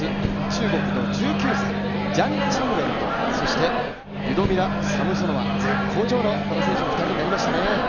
中国の１９歳ジャン・チンウェンとそしてリュドミラ・サムソノワ、絶好調の２人の選手になりましたね